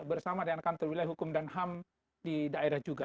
bersama dengan kantor wilayah hukum dan ham di daerah juga